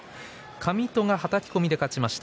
上戸がはたき込みで勝ちました。